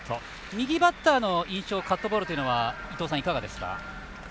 右バッターの印象カットボールというのは伊東さん、いかがですか？